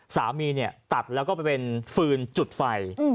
สามีเนี่ยตัดแล้วก็ไปเป็นฟืนจุดไฟ